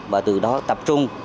và từ đó tập trung